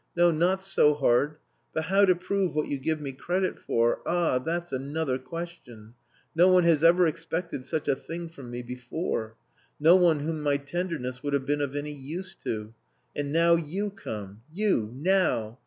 "No, not so hard. But how to prove what you give me credit for ah! that's another question. No one has ever expected such a thing from me before. No one whom my tenderness would have been of any use to. And now you come. You! Now!